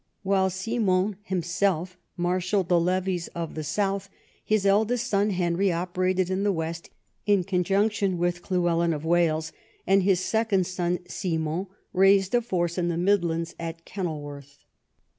While Simon himself marshalled the levies of the south, his eldest son Henry operated in the west in conjunction with Llywelyn of Wales, and his second son Simon I'aised a force in the Midlands at Kenilworth.